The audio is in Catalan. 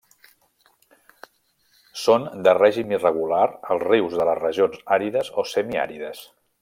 Són de règim irregular els rius de les regions àrides o semiàrides.